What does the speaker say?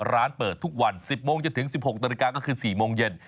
ร้านเปิดทุกวัน๑๐โมงจนถึง๑๖นาฬิกาก็คือ๔โมงเย็น